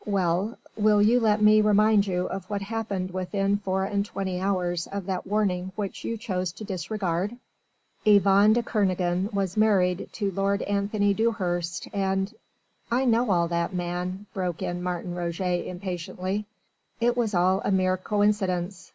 Well! will you let me remind you of what happened within four and twenty hours of that warning which you chose to disregard? ... Yvonne de Kernogan was married to Lord Anthony Dewhurst and...." "I know all that, man," broke in Martin Roget impatiently. "It was all a mere coincidence